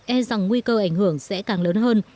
e rằng nguy cơ ảnh hưởng sẽ càng lớn hơn